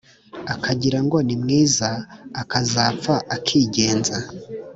Akagira ngo ni mwiza, Akazapfa akigenza